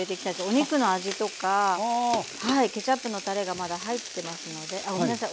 お肉の味とかケチャップのたれがまだ入ってますのであっごめんなさい。